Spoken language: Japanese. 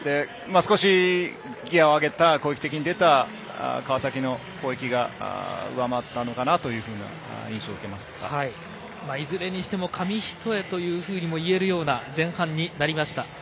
少しギアを上げた攻撃的に出た川崎の攻撃が上回ったのかなといういずれにしても紙一重と言えるような前半になりました。